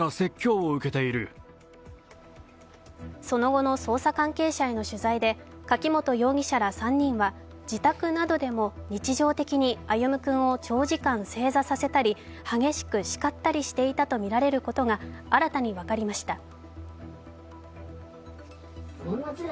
その後の捜査関係者への取材で柿本容疑者ら３人は、自宅などでも日常的に歩夢君を長時間正座させたり激しく叱ったりしていたとみられることが、新たに分かりました。